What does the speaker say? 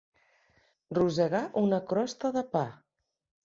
Rosegar una crosta de pa.